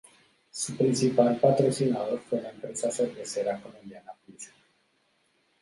Su principal patrocinador fue la empresa cervecera colombiana Pilsen.